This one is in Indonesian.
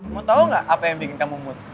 mau tau gak apa yang bikin kamu mood